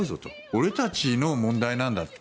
俺たちの問題なんだと。